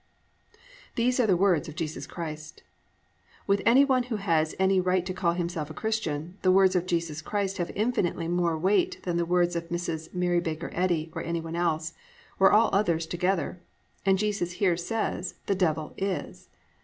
"+ These are the words of Jesus Christ. With any one who has any right to call himself a Christian, the words of Jesus Christ have infinitely more weight than the words of Mrs. Mary Baker Eddy or any one else, or all others together, and Jesus here says, +"The Devil. .. .is."